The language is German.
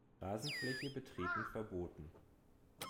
Rasenfläche betreten verboten.